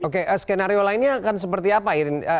oke skenario lainnya akan seperti apa irin